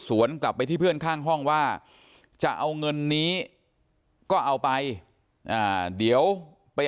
กลับไปที่เพื่อนข้างห้องว่าจะเอาเงินนี้ก็เอาไปเดี๋ยวไป